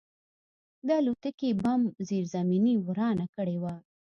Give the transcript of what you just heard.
د الوتکې بم زیرزمیني ورانه کړې وه